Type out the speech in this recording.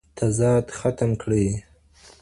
تضاد ختم کړئ.